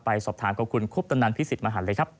สอบถามกับคุณคุปตนันพิสิทธิมหันเลยครับ